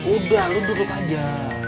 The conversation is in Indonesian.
udah lo duduk aja